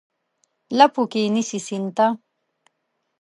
لپو کې نیسي سیند ته،